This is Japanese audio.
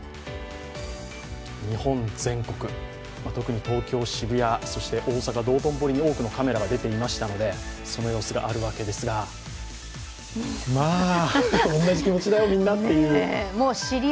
日本全国、特に東京・渋谷、そして大阪道・頓堀に多くのカメラが出ていましたのでその映像があるわけですがまあ、同じ気持ちだよ、みんなっていう。